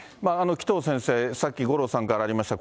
紀藤先生、さっき五郎さんからありました、